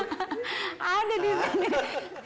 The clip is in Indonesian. ada di sini